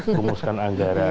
mau rumuskan anggaran